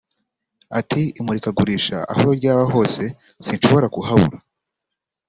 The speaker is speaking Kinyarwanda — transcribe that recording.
Ati “Imurikagurisha aho ryaba hose sinshobora kuhabura